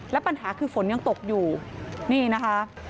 และปัญหาคือฝนยังตกอยู่นี่นะคะ